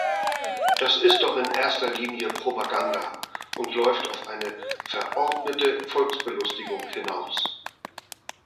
Das ist doch in erster Linie Propaganda und läuft auf eine verordnete Volksbelustigung hinaus.